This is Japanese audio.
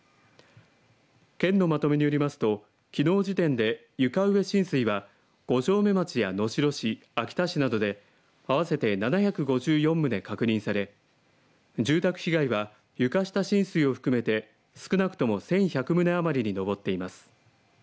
県のまとめによりますときのう時点で床上浸水は五城目町や能代市、秋田市などであわせて７５４棟確認され住宅被害は床下浸水を含めて少なくとも１１００棟余りに上っています。